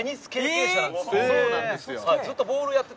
そうなんですよ